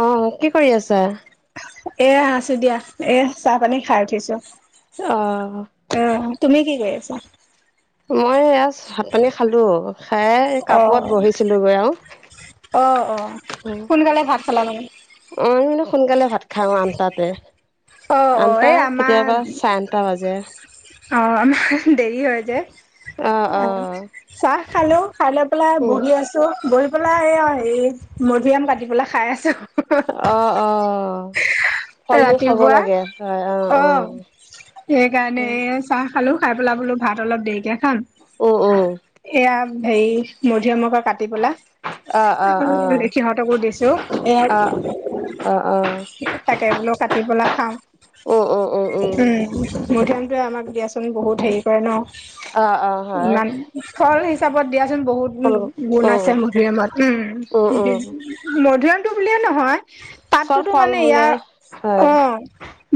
অ কি কৰি আছা? এয়া আছো দিয়া এ চাহ পানী খাই উঠিছো অ অ তুমি কি কৰি আছা? মই এয়া ভাত-পানী খালোঁ খাই অ কাপোৰত বহিছিলো গৈ আও অ অ সোনকালে ভাত খালা মানে? অ আমিনো সোনকালে ভাত খাওঁ আঠটাতে অ অ আঠটা, এই আমাৰ কেতিয়াবা চাৰে আঠটা বাজে অ আমাৰ দেৰি হয় যে অ চাহ খালোঁ খাই লৈ পেলাই উম, বহি আছোঁ বহি পেলাই এই এই মধুৰী আম কাটি পেলাই খাই আছো। অ অ ফল-মূল খাব ৰাতিপুৱা লাগে হয় অ অ সেইকাৰণে এ চাহ খালোঁ খাই পেলাই বোলো ভাত অলপ দেৰিকে খাম অ অ এয়া হেৰি মধুৰী আমকে কাটি অ', অ', অ', অ', অ', পেলাই সিহঁতকো দিছো এ অ'। তাকে বোলো কাটি পেলাই খাওঁ উম মধুৰী আমতোয়ে আমাক দিয়াচোন বহুত হেৰি কৰে ন অ', অ', হয়, ইমান ফল হিচাপত দিয়াচোন বহুত ফল গুণ উম, আছে মধুৰী আমত। উম উম, উম। মধুৰীআমটো বুলিয়ে নহয় চব পাতটোতো ফল মানে মূলে ইয়াৰ, হয়, অ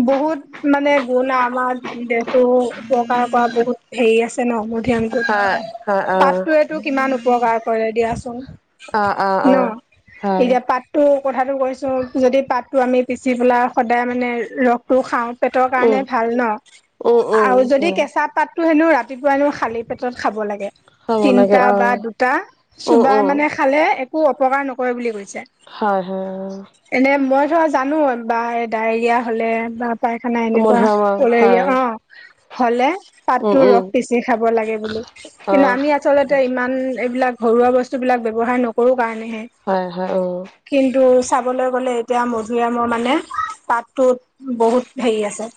বহুত মানে গুণ আমাৰ দেহ টো উপকাৰ কৰা বহুত হেৰি আছে ন মধুৰীআমটো। হয়, হয়, অ'। পাতটোৱেটো কিমান উপকাৰ কৰে দিয়াচোন অ', অ', ন? অ', হয়। এতিয়া পাত টো কথাটো কৈছোঁ যদি পাতটো আমি পিচি পেলাই সদায় মানে ৰসটো খাওঁ পেটৰ উম, কাৰণে ভাল ন, উম, উম, আৰু যদি হয় কেঁচা পাত পাতটো হেনো ৰাতিপুৱানো খালি পেটত খাব লাগে। খাব লাগে তিনটা বা অ', দুটা উম, চোবাই উম। মানে খালে একো অপকাৰ নকৰে বুলি কৈছে। হয় হয় অ। এনে মই ধৰা জানো বা ডায়েৰিয়া হ'লে বা পাইখানা অ', এনেকুৱা মধুআমৰ হয়, কলেৰীয়া অ। হ'লে উম, পাতটো উম, ৰস পিছি খাব লাগে বুলি। কিন্তু হয়। আমি আচলতে ইমান এইবিলাক ঘৰুৱা বস্তুবিলাক ব্যয়ৱহাৰ নকৰোঁ কাৰণেহে। হয় হয় অ। কিন্তু চাবলৈ গ'লে এতিয়া মধুৰীআমৰ মানে পাতটোত বহুত হেৰি আছে।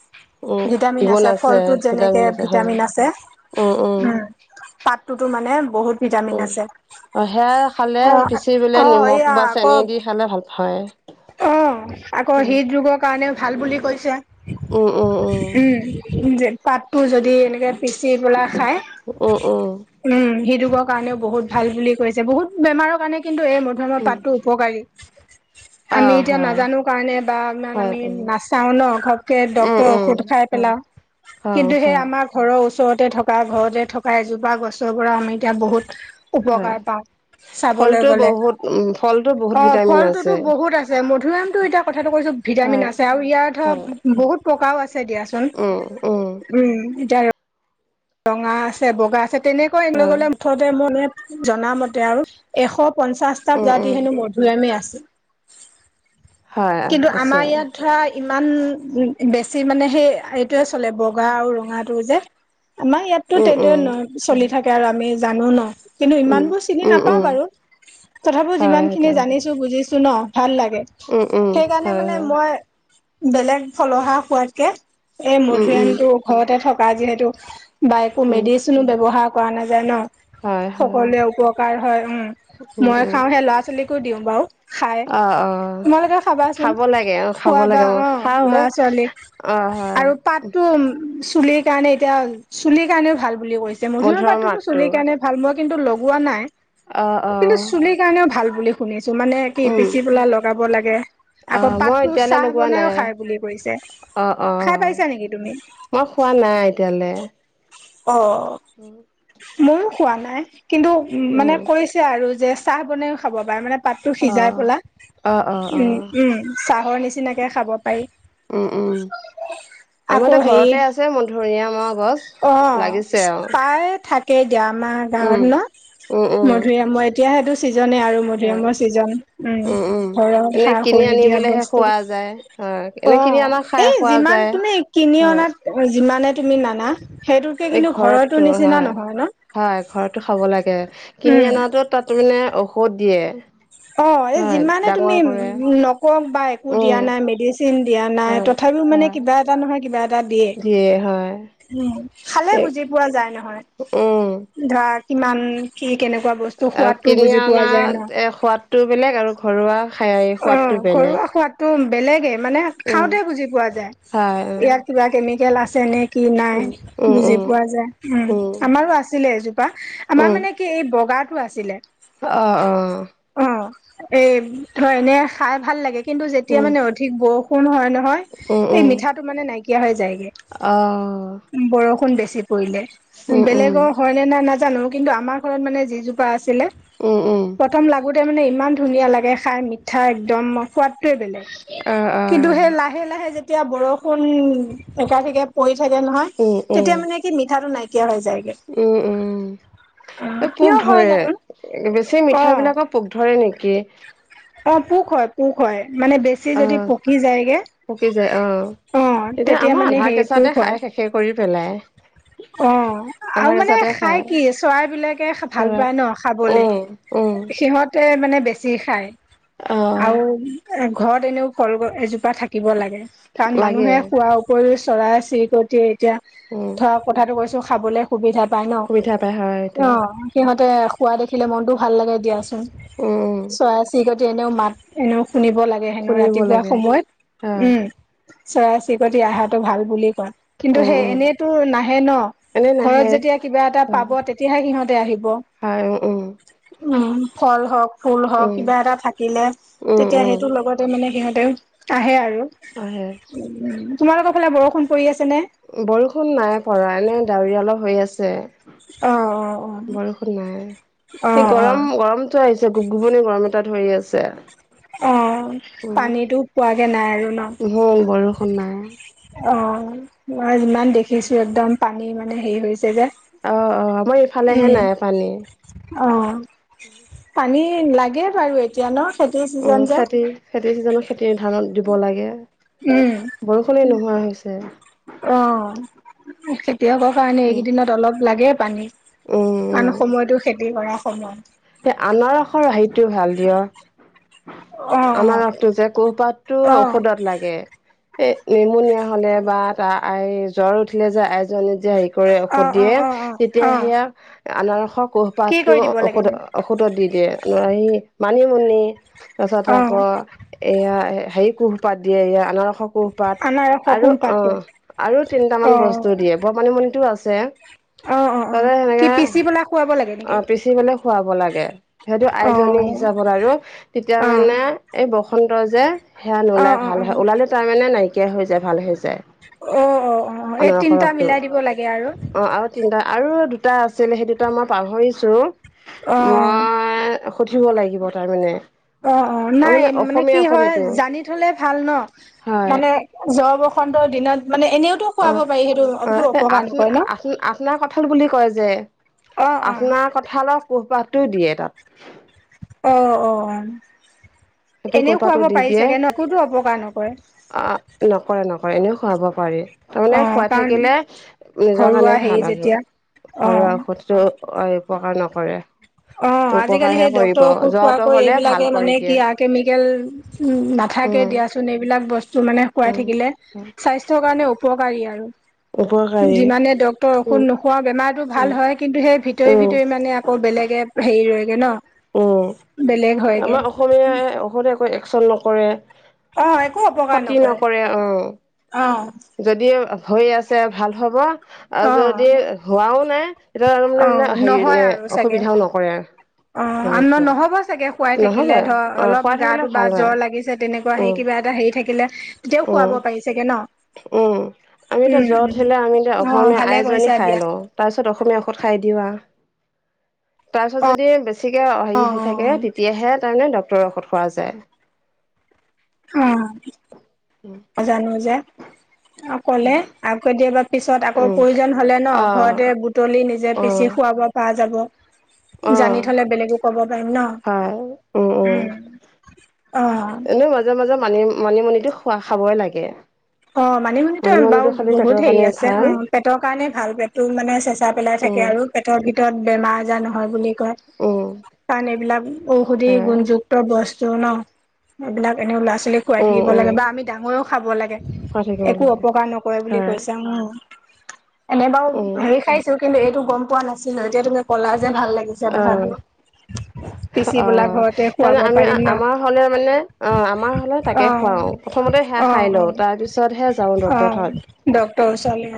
উম, ভিটামিন গুণ আছে, ফলটোত ভিটামিন যেনেকে আছে হয়, ভিটামিন আছে উম। পাতটোতো মানে বহুত ভিটামিন উম, আছে। অ সেয়া খালে অ পিচি পেলে অ নিমখ এয়া বা আকৌ চেনি দি খালে ভাল হয়। অ আকৌ উম, হৃদ ৰোগৰ কাৰণেও ভাল বুলি কৈছে উম, উম, উম, উম। পাতটো যদি এনেকে পিচি পেলাই খায় উম হ্ৰদ ৰোগৰ কাৰণেও বহুত ভাল বুলি কৈছে, বহুত বেমাৰৰ কাৰণে কিন্তু এই ম ৰ উম, পাতটো উপকাৰী। আমি অ', এতিয়া হয়, নাজানো কাৰণে বা ইমান হয়, আমি উম, নাচাওঁ ন ঘপকে উম, ডক্তৰৰ উম, ঔষধ খাই হয়, পেলাওঁ। এ অ। হয়, আমাৰ ঘৰৰ ওচৰতে থকা, ঘৰতে থকা এজোপা গছৰ পৰা আমি এতিয়া বহুত হয়। উপকাৰ পাওঁ চাবলৈ ফলটো গ'লে বহুত উম ফলটো বহুত অ ভিটামিন আছে ফলটোতো বহুত আছে মধুআমতটো এতিয়া কথাটো কৈছো ভিটামিন হয় আছে আৰু ইয়াৰ হয় ধৰ বহুত প্ৰকাৰও আছে দিয়া চন উম উম উম এতিয়া আৰু ৰঙা আছে, বগা আছে তেনেকৈ এ হয় গ'লে মুঠতে মই জনামতে আৰু এশ পঞ্চাচটা উম উম প্ৰজাতি হেনো মধুুৰ আমে আছে। হয় কিন্তু আছে আমাৰ ইয়াত ধৰা ইমান বেছি মানে সেই এইটোয়ে চলে বগা আৰু ৰঙাটো যে আমাৰ ইয়াতো উম উম তেনেধৰনে চলি হয় থাকে আৰু আমি জানো ন। কিন্তু উম ইমানবোৰ চিনি উম নাপাওঁ উম বাৰু, তথাপিও হয় যিমান সেইটো খিনি জানিছো বুজিছো ন ভাল লাগে। সেইকাৰণে হয় মানে মই বেলেগ ফলহা খোৱাতকে এই উম উম মধুৰিআমটো ঘৰতে থকা যিহেতু বা একো হয় হয় উম উম উম মেডিচিনো ব্যৱহাৰ কৰা নাযায় ন। হয় হয় সকলোৱে উপকাৰ হয় উম। উম মই উম খাওঁ সেই ল'ৰা ছোৱালীকো দিওঁ বাৰু। খাই অ অ। তোমালোকে খাবাচোন খাব লাগে অ খাব খোৱা বা লাগে মই অ খাওঁ ল'ৰা ছোৱালীক অ হয় আৰু পাত টো উম চুলিৰ কাৰণে এতিয়া চুলিৰ কাৰণেও ভাল বুলি কৈছে, মধুৰিআমৰ মধুৰৰ পাতটোনো চুল মাকটো কাৰণে ভাল মই কিন্তু লগোৱা নাই অ অ কিন্তু চুলি কাৰণেও ভাল বুলি শুনিছোঁ। মানে কি উম পিচি পেলাই লগাব লাগে অ আকৌ মই পাতো এতিয়ালৈ চাহ লগোৱা বনাইও নাই খাই বুলি কৈছে। অ অ খাই পাইছা নেকি তুমি? মই খোৱা নাই এতিয়ালে। অ ময়ো হোৱা নাই কিন্তু মানে কৰি। ছে আৰু যে চাহ বনাইও খাব পাৰে মানে পাতটো অ', সিজাই পেলা অ', অ', উম। অ', উম চাহৰ নিচিনাকে খাব পাৰি। উম উম আকৌ আমাৰতো হেৰি ঘৰতে আছে মধুৰিআম। অ প্ৰায় থা। কেই দিয়া আমাৰ গাঁৱত উম, ন উম, উম, মধুৰিআমৰ এতিয়া সেইটো ছিজনে আৰু। হয়, মধুৰিআমৰ ছিজন উম ঘৰৰ এনে সা কিনি সুৰ নিদিয়া আনিবলেহে বস্তু। খোৱা যায়, হয়, অ এনে কিনি আনা খাই এই খোৱা যিমান যায়। তুমি কিনি হয়, অনাত। অ যিমানে তুমি নানা সেইটোতকে এই কিন্তু ঘৰতো ঘৰতটো নিচিনা হয়। নহয় ন। হয় ঘৰতো খাব লাগে কিনি উম, অনাতো তাত মানে ঔষধ দিয়ে। অ এই হয়, যিমানে তুমি ডাঙৰ কৰে, নকক বা একো উম, দিয়া নাই মেডিচিন দিয়া নাই ত। হয়, থাপিও মানে হয়, কিবা এটা নহয় কিবা এটা দিয়ে। দিয়ে হয়। উম খালে বুজি পোৱা যায় উম, নহয় ধৰা কিমান। কি কেনেকুৱা বস্তু আৰু খোৱাতো কিনি বুজি পোৱা অনা যায় ন। এ সোৱাত। টো বেলেগ আৰু। ঘৰুৱা খাই। অ সোৱাদটো বেলেগ। ঘৰুৱা সোৱাদটো বেলেগে মানে উম খাওঁতে বুজি পোৱা যায়। হয় ইয়াত কিবা কেমিকেল আছে নে। কি নাই উম উম বুজি উম পোৱা যায় উ উম আমাৰো আছিলে এজোপা আমাৰ উম মানে। কি এই বগাটো আছিলে। অ অ। অ এ ধ এনে খাই ভাল লাগে কিন্তু যেতিয়া উম মানে অধি। ধীক বৰষুণ হয় নহয় উম এই উম মিঠাটো মানে নাইকিয়া হৈ যায়গে। অ। উম বৰষুণ বেছি পৰিলে উম উম বেলেগ। হয়নে নাই নাজানো কিন্তু আমাৰ ঘৰত মানে যিজোপা আছিলে। উম উম। থম লাগোঁতে মানে ইমান ধুনীয়া লাগে খাই মিঠা একদম সোৱাদটোৱে বেলেগ। অ অ কিন্তু সেই লাহে লাহে যেতিয়া বৰষুণ একাঠিকে। পৰি থাকে নহয় উম উম তেতিয়া মানে কি মিঠাটো নাইকিয়া হৈ যায়গে। উম উম এই পোক কিয় হয় ধৰে জানো বেছি অ মিঠাই বিলাক। পোক ধৰে নেকি। অ পোক হয় পোক হয় মানে বে। ছি অ যদি পকি যায়গে পকি যায় অ অ তেতিয়া মানে হেৰি পোক হয়। সে কৰি পেলাই। অ আধা আৰু মানে কেঁচাতে খাই কি চৰাই বিলাকে ভাল চৰাই পায় ন খাবলে। উম উম। তে মানে বেছি খায় অ' আৰু ঘৰত এনেও। কল গ এজোপা থাকিব লাগে কাৰণ লাগে মানুহে শোৱাৰ উপৰিও চৰাই চিৰিকটি। তিয়া উম ধৰা কথাটো কৈছো খাবলে সুবিধা পাই ন সুবিধা পাই হয় এইটো অ। সিহঁতে খোৱা দেখিলে মনটো ভাল লাগে দিয়াচোন উম উম চৰাই চিৰি ক। টি এনেও মাত এনেও শুনিব লাগে হেনও শুনিব ৰাতিপুৱা লাগে সময়ত হয় উম। চৰাই চিৰিকতি অহাটো ভাল বুলি কয় কিন্তু উম সেই উম এনেইতো ন। ন, এনে নাহে ঘৰত যেতিয়া কিবা এটা পাব তেতিয়াহে সিহঁতে আহিব। হয়, অ অ। উম, ফল হওক, ফুল হওক, উম কিবা এটা থাকিলে উম তেতিয়া উম সেই তো লগতে মানে সিহঁতেও আহে আৰু। আহে। তোমালোকৰ ফালে বৰষুণ পৰি আছেনে? বৰষুণ নাই পৰা এনে ডাৱৰীয়া অলপ হৈ অ অ আছে। বৰষুণ নাই। অ এই অ গৰম গৰমটো আহিছে গুপগুপনি গৰম এটা ধৰি আছে। অ। উম পানীতটো পোৱাগে নাই আৰু ন? উম বৰষুণ নাই। অ। মই ইমান দেখিছো একদম পানী মানে হেৰি হৈছে যে। অ অ, আমাৰ উম ইফালেহে নাই পানী। অ। পানী লাগে বাৰু এতিয়া ন? খেতিৰ উম চিজন যে খেতি খেতিৰ চিজনত খেতি ধানত দিব লাগে। উম বৰষুণেই নোহোৱা হৈছে। অ। খেতিয়কৰ কাৰণে উম এইকেইদিনত অলপ লাগে পানী। উম কাৰণ সময়তো খেতি কৰাৰ সময়। এ আনাৰসৰ হাইটোও ভাল দিয়ক। অ আনাৰসটো যে কোহপাতটো অ অ ঔষধত লাগে। এই নিমনিয়া হলে বা তা আই জ্বৰ উঠিলে যে আইজনী যে হেৰি কৰে ঔষধ অ', দিয়ে, অ', অ', অ', তেতিয়া অ', সেয়া আনাৰসৰ কি কোহপাতটো কৰি দিব লাগে ঔষধ নো? ঔষধত দি দিয়ে। সেই মানিমুনি, তাৰছতে অ', আকৌ, এয়া হেৰি কোহপাত দিয়ে, এইয়া আনাৰসক কোহপাত। আনাৰসৰ আৰু অ কুহপাতটো। আৰু তিনিটামান অ', বস্তু দিয়ে, বমানিমুনিতো আছে। অ অ অ। তাতে কি সেনেকে পিচি পেলাই খুৱাব লাগে? অ নেকি? পিচি পেলাই খুৱাব লাগে। সেইটো অ', আইজনী হিচাপত আৰু, তেতিয়া অ', মানে এই বসন্ত যে, সেয়া অ', নোলাই অ', ভাল হয়, ওলালে তাৰমানে নাইকিয়া হৈ যায় ভাল হৈ যায়। অ', অ', অ', অ', এই আনাৰসৰ তিনিটা ৰসটো। মিলাই দিব লাগে আৰু। অ আৰু তিনিটা আৰু দুটা আছিল সেই দুটা মই পাহৰিছো। অ', মই সুধিব লাগিব তাৰমানে। অ অ। নাই মানে কি অসমীয়া ঔষধ হয়, সেইটো জানি থলে ভাল ন। হয় মানে জৰ বসন্তৰ দিনত মানে এনেও টো খুৱাব অ', পাৰি সেইটো অনটো অ', এই অপকাৰ আঠ নকৰে ন, আঠ আঠনা অহ আপোনাৰ কঁঠালৰ কোহপাতটোও দিয়ে তাত। অ' অ। সেইটো এনেও কোহপাতটো খুৱাব পাৰি চাগে ন, একোতো অপকাৰ নকৰে। অ' নকৰে নকৰে এনেও খোৱাব পাৰি। তাৰমানে অ', খোৱাই কাৰণ থাকিলে, নিজৰ ঘৰুৱা কাৰণে হেৰি ভাল আৰু। যেতিয়া অ', ঘৰুৱা ঔষধ টো ঐ অপকাৰ নকৰে। অ, আজিকালি উপকাৰহে সেই কৰিব ডক্তৰৰ ঔষধ জ্বৰটো খোৱাকৈ হ'লে ভাল এইবিলাকে কৰি মানে কি দিয়ে আ কেমিকেল উম থাকে উম দিয়াচোন এইবিলাক বস্তু মানে খুৱাই উম থাকিলে, স্বাস্থ্যৰ কাৰণে উপকাৰী আৰু। উপকাৰী যিমানে ডক্তৰৰ ঔষধ উম নোখোৱাও বেমাৰতটো ভাল উম হয়, কিন্তু সেই ভিতৰি উম ভিতৰি মানে আকৌ বেলেগে হেৰি ৰয়গে ন, বেলেগ হয়গে। অসমীয়া এ ঔষধে একো একচন নকৰে, অ', একো অপকাৰ ক্ষতি নকৰে অ। অ। যদি হৈ আছে ভাল হ'ব আৰু অ', যদি হোৱাও নাই তেতিয়া আৰু মানে অ', মানে নহয় হেৰি আৰু চাগে অসুবিধাও নকৰে। অ', সেনেকুৱা আ-ন-নহ'ব চাগে খুৱাই থাকিলে নহ'বই ধৰ অ' অলপ খোৱা থাকিলে গাটো বা ভাল হয়। জ্বৰ লাগিছে তেনেকুৱা উম, হেই কিবা এটা হেৰি থাকিলে তেওঁ উম, খুৱাব পাৰি চাগে ন? উম, আমি এতিয়া উম জ্বৰ উম উঠিলে আমি এতিয়া অ অসমীয়া ভালে আইজোৰণী কৰিছা খাই দিয়া লওঁ। তাৰপিছত অসমীয়া ঔষধ খাই দিওঁ আৰু তাৰপিছত অ যদি থিকেই অ হেৰি হৈ থাকে তেতিয়াহে তাৰমানে ডক্তৰৰ ঔষধ খোৱা যায়। উম, উম, জানো যে আৰু ক'লে উম আৰু কেতিয়াবা পিছত আকৌ উম প্ৰয়োজন হ'লে ন অ', ঘৰতে বুটলি নিজে পিচি অ', খুৱাব পৰা যাব। অ', জানি থ'লে বেলেগো ক'ব পাৰিম ন, হয়। উম, উম, উম অ'। এনেও মাজে মাজে মানি মানিমুনিটো খোৱা খাবই লাগে। অ', মানি মুনিতো বাৰু মানিমুনিটো খালে পেটৰ বহুত হেৰি কাৰণে আছে ভাল। অ' পেটৰ কাৰণে ভাল, পেটটো মানে চেঁচা পেলাই থাকে উম, আৰু। পেটৰ ভিতৰত বেমাৰ আজাৰ নহয় বুলি কয়, উম, কাৰণ এইবিলাক ঔষধি হয়। গুণযুক্ত বস্তু ন! এইবিলাক এনেও ল'ৰা ছোৱালী খোৱাই উম, থাকিব উম, লাগে বা আমি ডাঙৰেও খাব লাগে। খোৱা থাকিব একো লাগে অপকাৰ নকৰে বুলি হয়, কৈছে উম এনেই বাৰু উম, হেৰি খাই কিন্তু এইটো গম পোৱা নাছিলো এতিয়া তুমি ক'লা যে ভাল লাগিচে অ'। তথাপিও। পিচি পেলাই অ', ঘৰতে খুৱাব তাৰমানে আমি পাৰিম ন আমাৰ হ'লে মানে অ' আমাৰ হ'লে তাকে খুৱাও। অ প্ৰথমতে সেয়া অ খাই অ লওঁ তাৰ পিছ পিছতহে যাওঁ অ ডক্তৰৰ তাত ডক্তৰ ওচৰলৈ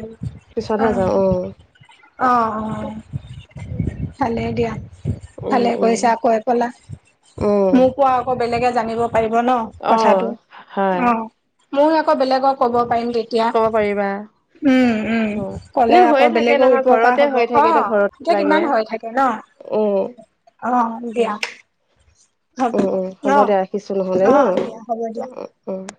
পিছতহে যাওঁ অ'। অ', অ', ভালেই দিয়া, উম, ভালেই উম, কৰিছা আকৌ ক'লা উম, মোৰ পৰা আকৌ বেলেগে জানিব পাৰিব ন! কথাটো অ', হয় অ' মইও আকৌ বেলেগক ক'ব পাৰিম তে ক'ব পাৰিবা। উম, অ', উম এনে ক'লে আকৌ হৈয়ে থাকে বেলেগৰ নহয় উপকাৰ ঘৰতে হ'ব হৈ অ' এতিয়া কিমান হৈ থাকে ন। অ'। অ', দিয়া। হ'ব উম, উম ন হ'ব অ দে ৰাখিছো নহ'লে ন দিয়া হ'ব দিয়া উম।